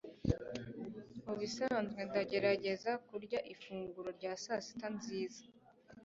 Mubisanzwe ndagerageza kurya ifunguro rya sasita nziza.